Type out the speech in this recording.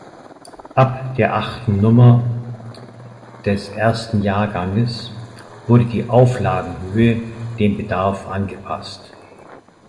Ab der achten Nummer des ersten Jahrganges wurde die Auflagenhöhe dem Bedarf angepasst.